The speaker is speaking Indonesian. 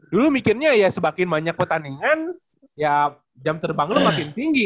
dulu mikirnya ya sebakin banyak pertandingan ya jam terbang lu makin tinggi